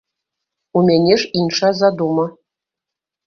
У мяне ж іншая задума.